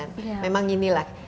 dan lama memang inilah